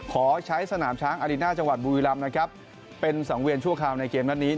ขอใช้สนามช้างอารีน่าจังหวัดบุรีรำนะครับเป็นสังเวียนชั่วคราวในเกมนัดนี้